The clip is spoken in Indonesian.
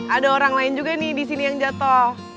ada orang lain juga nih disini yang jatuh